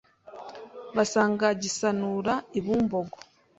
basanga Gisanura i Bumbogo